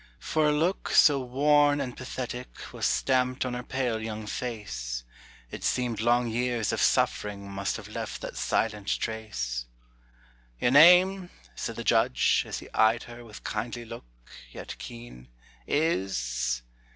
For a look so worn and pathetic Was stamped on her pale young face, It seemed long years of suffering Must have left that silent trace. "Your name," said the judge, as he eyed her With kindly look, yet keen, "Is